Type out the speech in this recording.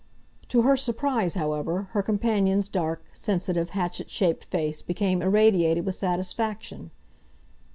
To her surprise, however, her companion's dark, sensitive, hatchet shaped face became irradiated with satisfaction.